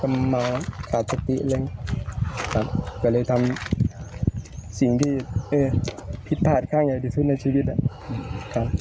กำมาขาดสติและก็เลยทำสิ่งที่พิษถาดข้างใหญ่ที่ชุดในชีวิต